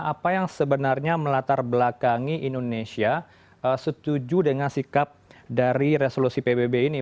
apa yang sebenarnya melatar belakangi indonesia setuju dengan sikap dari resolusi pbb ini